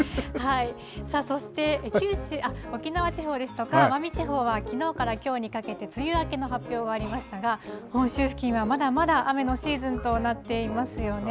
さあ、そして沖縄地方ですとか、奄美地方はきのうからきょうにかけて、梅雨明けの発表がありましたが、本州付近はまだまだ雨のシーズンとなっていますよね。